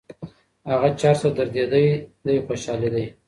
هغه چي هر څه دردېدی دی خوشحالېدی